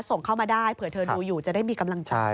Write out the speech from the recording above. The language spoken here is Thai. ส่งเข้ามาได้เผื่อเธอดูอยู่จะได้มีกำลังใจ